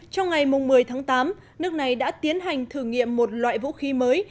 trong ngày một mươi tháng tám nước này đã tiến hành thử nghiệm một loại vũ khí mới